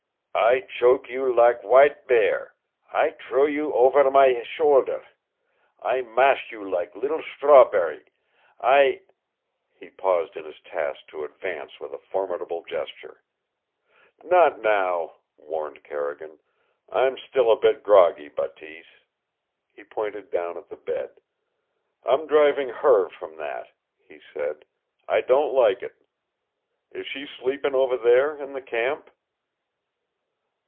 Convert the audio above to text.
"I choke you lak w'ite bear, I t'row you ovair my should'r, I mash you lak leetle strawberr', I " He paused in his task to advance with a formidable gesture. "Not now," warned Carrigan. "I'm still a bit groggy, Bateese." He pointed down at the bed. "I'm driving HER from that," he said. "I don't like it. Is she sleepin' over there in the camp?"